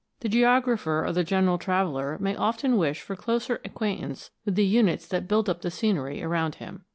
The geographer or the general traveller may often wish for closer acquaintance with the units that build up the scenery around him.